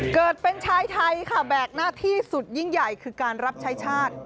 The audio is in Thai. เกิดเป็นชายไทยค่ะแบกหน้าที่สุดยิ่งใหญ่คือการรับใช้ชาติ